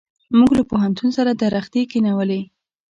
موږ له پوهنتون سره درختي کښېنولې.